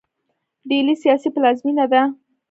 ډیلي سیاسي پلازمینه ده.